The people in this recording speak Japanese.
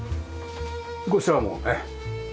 こちらもね。